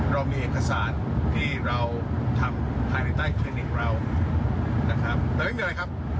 เรามีเอกสารที่เราทำภายในใต้คลินิกเรานะครับแต่ไม่มีอะไรครับ